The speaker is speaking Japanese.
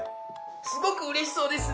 すごくうれしそうですね。